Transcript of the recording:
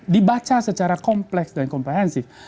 dibaca secara kompleks dan komprehensif